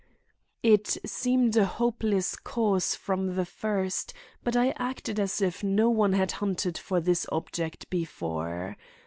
It seemed a hopeless cause from the first, but I acted as if no one had hunted for this object before.